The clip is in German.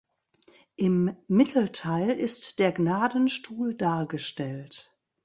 Im Mittelteil ist der Gnadenstuhl dargestellt.